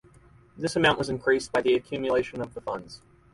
This amount was increased by the accumulation of the funds.